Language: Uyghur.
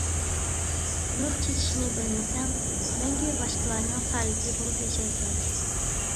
نۇر چېچىشنى بىلمىسەڭ، مەڭگۈ باشقىلارنىڭ سايىسى بولۇپ ياشايسەن!